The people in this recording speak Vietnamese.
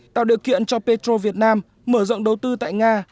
tạo điều kiện cho petro việt nam mở rộng đầu tư tại nga